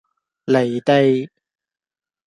離地